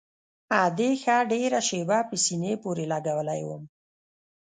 ادې ښه ډېره شېبه په سينې پورې لګولى وم.